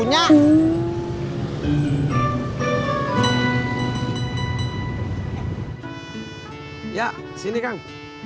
ya sini kang